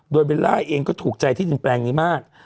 โดยเบลล่าเองก็ถูกใจที่ดินแปลงนี้มาก